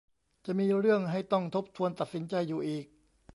จะมีเรื่องให้ต้องทบทวนตัดสินใจอยู่อีก